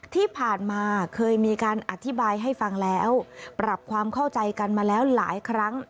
ที่ผ่านมาเคยมีการอธิบายให้ฟังแล้วปรับความเข้าใจกันมาแล้วหลายครั้ง